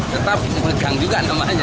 tetap megang juga namanya